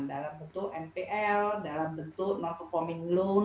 dalam bentuk npl dalam bentuk mal performing loan